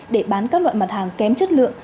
để bán các loại mặt hàng kém chất lượng